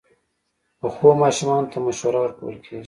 پخو ماشومانو ته مشوره ورکول کېږي